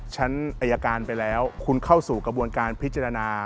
ชั้นอายการไปแล้วคุณเข้าสู่กระบวนการพิจารณา